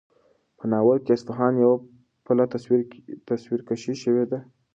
په ناول کې د اصفهان د یوه پله تصویرکشي شوې ده.